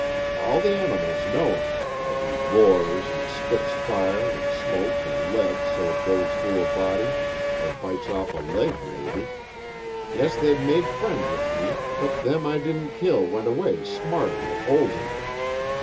All the animals know 'im how he roars, an' spits fire an' smoke an' lead so it goes through a body er bites off a leg, mebbe. Guess they'd made friends with me but them I didn't kill went away smarting with holes in 'em.